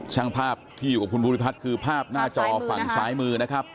ช่างภาพที่อยู่กับคุณภูริพัฒน์คือภาพหน้าจอฝั่งซ้ายมือนะครับ